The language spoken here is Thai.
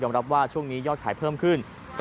จำนวนนักท่องเที่ยวที่เดินทางมาพักผ่อนเพิ่มขึ้นในปีนี้